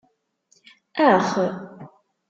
Ax!